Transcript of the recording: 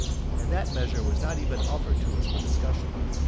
And that measure was not even offered to us for discussion.